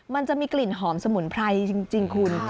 มันจะมีกลิ่นหอมสมุนไพรจริงคุณ